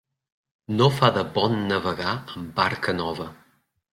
No fa de bon navegar amb barca nova.